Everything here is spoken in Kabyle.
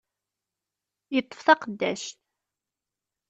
Yeṭṭef taqeddact.